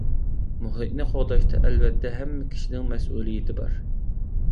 مۇھىتنى قوغداشتا ئەلۋەتتە ھەممە كىشىنىڭ مەسئۇلىيىتى بار.